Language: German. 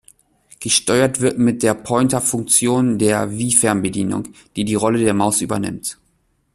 Gesteuert wird mit der Pointer-Funktion der Wii-Fernbedienung, die die Rolle der Maus übernimmt.